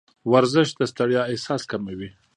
ورزش د ستړیا احساس کموي.